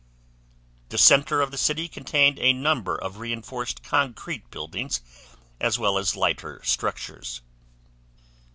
The center of the city contained a number of reinforced concrete buildings as well as lighter structures.